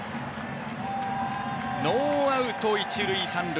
ノーアウト一塁三塁。